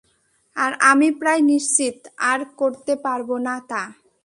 আর আমি প্রায় নিশ্চিত আর করতে পারব না তা।